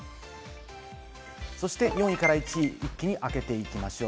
そして４位から１位、一気に開けていきましょう。